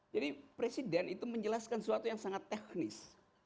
jadi presiden itu menjelaskan sesuatu yang sangat teknis